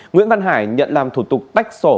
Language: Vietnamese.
nguyễn văn hải nhận làm thủ tục tách sổ